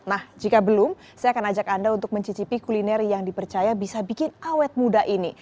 nah jika belum saya akan ajak anda untuk mencicipi kuliner yang dipercaya bisa bikin awet muda ini